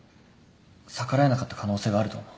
逆らえなかった可能性があると思う。